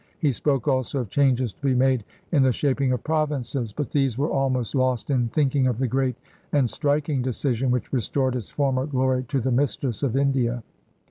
He spoke also of changes to be made in the shaping of provinces, but these were almost lost in thinking of the great and striking decision which restored its former glory to the Mistress of India.